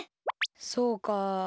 そうか。